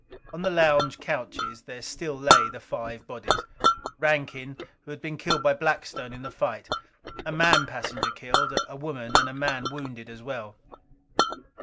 On the lounge couches there still lay the five bodies. Rankin, who had been killed by Blackstone in the fight; a man passenger killed; a woman and a man wounded, as well.